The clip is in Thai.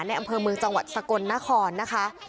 อำเภอเมืองจังหวัดสกลนครนะคะ